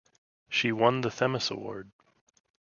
She won the Themis Award.